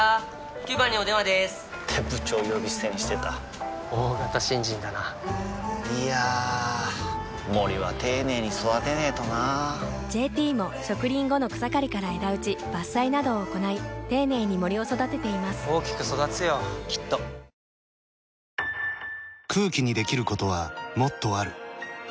９番にお電話でーす！って部長呼び捨てにしてた大型新人だないやー森は丁寧に育てないとな「ＪＴ」も植林後の草刈りから枝打ち伐採などを行い丁寧に森を育てています大きく育つよきっとはぁはぁはぁ